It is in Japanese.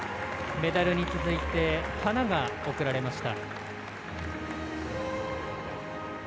メダルに続いて花が贈られました。